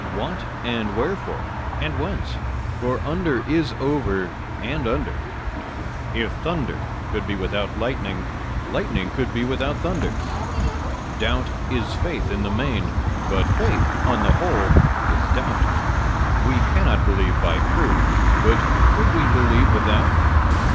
What, and wherefore, and whence? for under is over and under: If thunder could be without lightning, lightning could be without thunder. Doubt is faith in the main: but faith, on the whole, is doubt: We cannot believe by proof: but could we believe without?